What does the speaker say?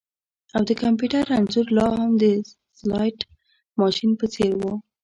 او د کمپیوټر انځور لاهم د سلاټ ماشین په څیر و